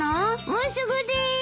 もうすぐでーす！